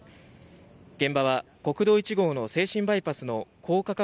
現場は国道１号の静清バイパスの高架化